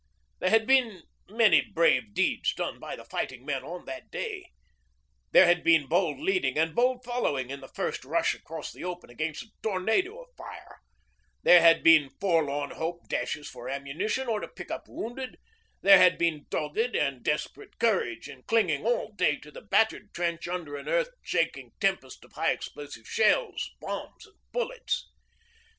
There had been many brave deeds done by the fighting men on that day: there had been bold leading and bold following in the first rush across the open against a tornado of fire; there had been forlorn hope dashes for ammunition or to pick up wounded; there had been dogged and desperate courage in clinging all day to the battered trench under an earth shaking tempest of high explosive shells, bombs, and bullets.